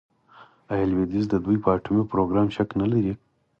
آیا لویدیځ د دوی په اټومي پروګرام شک نلري؟